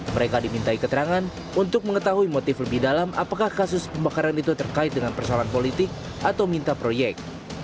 mereka dimintai keterangan untuk mengetahui motif lebih dalam apakah kasus pembakaran itu terkait dengan persoalan politik atau minta proyek